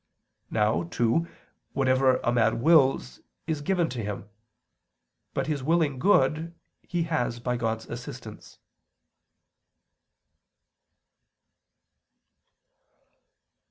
Now, too, whatever a man wills, is given to him; but his willing good, he has by God's assistance.